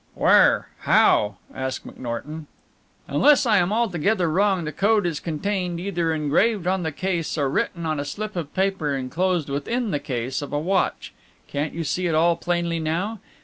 "Where? How?" asked McNorton. "Unless I am altogether wrong the code is contained, either engraved on the case or written on a slip of paper enclosed within the case of a watch. Can't you see it all plainly now?